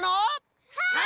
はい！